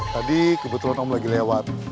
tadi kebetulan om lagi lewat